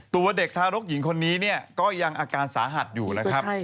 ตัวเด็กทารกหญิงคนนี้เนี่ยก็ยังอาการสาหัสอยู่นะครับ